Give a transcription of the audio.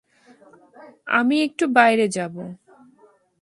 আমি একটু বাইরে যাব।